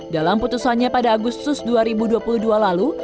dalam putusannya pada agustus dua ribu dua puluh dua lalu